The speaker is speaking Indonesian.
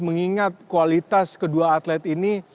mengingat kualitas kedua atlet ini